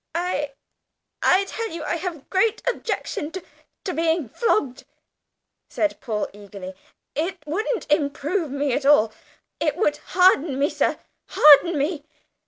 "I I tell you I have great objection to to being flogged," said Paul eagerly; "it wouldn't improve me at all; it would harden me, sir, harden me.